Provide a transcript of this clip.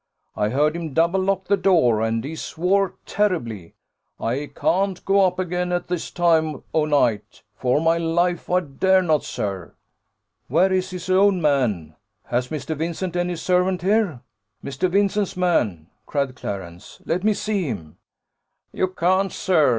I heard him double lock the door, and he swore terribly. I can't go up again at this time o'night for my life I dare not, sir." "Where is his own man? Has Mr. Vincent any servant here? Mr. Vincent's man!" cried Clarence; "let me see him!" "You can't, sir. Mr.